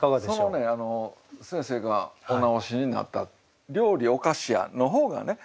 そのね先生がお直しになった「料理をかしや」の方がね